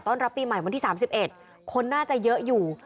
รับปีใหม่วันที่๓๑คนน่าจะเยอะอยู่